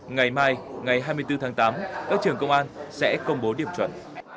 ngày mai ngày hai mươi bốn tháng tám các trường công an sẽ công bố điểm chuẩn